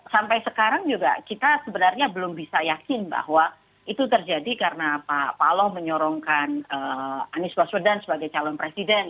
sampai sekarang juga kita sebenarnya belum bisa yakin bahwa itu terjadi karena pak paloh menyorongkan anies baswedan sebagai calon presiden